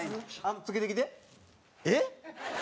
えっ？